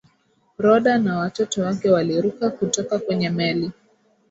rhoda na watoto wake waliruka kutoka kwenye meli